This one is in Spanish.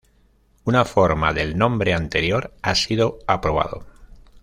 Una forma del nombre anterior ha sido aprobado.